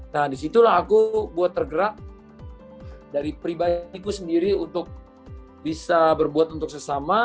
nah disitulah aku buat tergerak dari pribadiku sendiri untuk bisa berbuat untuk sesama